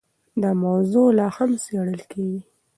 دا موضوع لا هم څېړل کېږي.